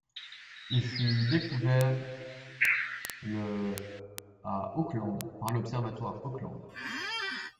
Il fut découvert le à Auckland par l'observatoire Auckland.